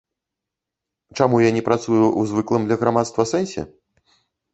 Чаму я не працую ў звыклым для грамадства сэнсе?